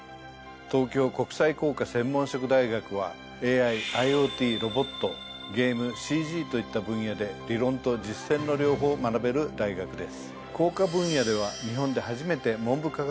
東京国際工科専門職大学はＡＩＩｏＴロボットゲームＣＧといった分野で理論と実践の両方を学べる大学です。